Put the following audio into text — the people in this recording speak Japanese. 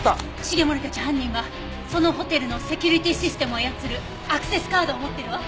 繁森たち犯人はそのホテルのセキュリティーシステムを操るアクセスカードを持ってるわ。